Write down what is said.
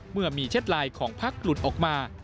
เมื่อมีแชทไลน์ของพักหลุดออกมา